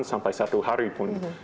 sampai satu hari pun